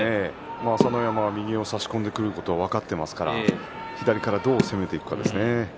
朝乃山は右を差し込んで取ることは分かってますから左からどう攻めるかですね。